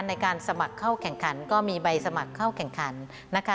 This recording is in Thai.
ในการสมัครเข้าแข่งขันก็มีใบสมัครเข้าแข่งขันนะคะ